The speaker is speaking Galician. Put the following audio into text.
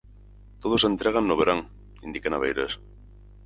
"Todos se entregan no verán", indica Naveiras.